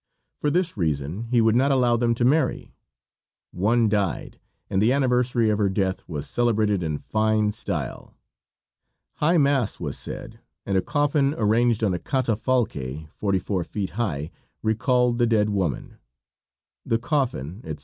For this reason he would not allow them to marry. One died, and the anniversary of her death was celebrated in fine style. High mass was said, and a coffin arranged on a catafalque forty four feet high recalled the dead woman. The coffin, etc.